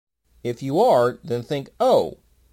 If you are, then think Oh!